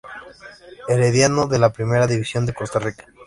Herediano, de la Primera División de Costa Rica.